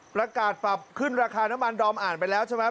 ประกาศปรับขึ้นราคาน้ำมันดอมอ่านไปแล้วใช่ไหม